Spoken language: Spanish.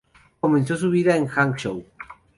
Comenzó su vida en Hangzhou.